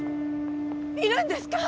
いるんですか？